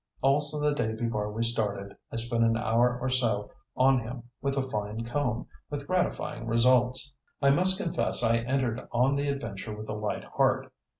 Also the day before we started I spent an hour or so on him with a fine comb, with gratifying results. I must confess I entered on the adventure with a light heart.